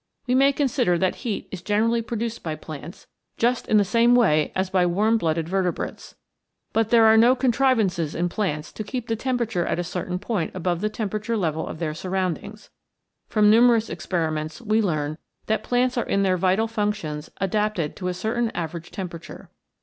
We may consider that heat is generally produced by plants, just in the same way as by warm blooded vertebrates. But there are no contrivances in plants to keep the temperature at a certain point above the tempera ture level of their surroundings. From numerous experiments we learn that plants are in their vital functions adapted to a certain average tempera ture.